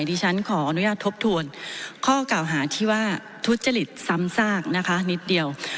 ดิฉันขออนุญาตทบทวนข้อเก่าหาที่ว่าทุจริตซ้ำซากนะคะนิดเดียว